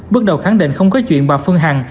bước đầu khẳng định không có chuyện bà phương hằng